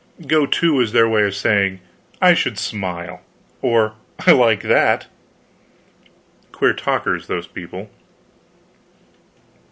"Go to" was their way of saying "I should smile!" or "I like that!" Queer talkers, those people.